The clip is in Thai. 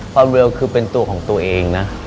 ความเร็วคือเป็นตัวของตัวเองนะ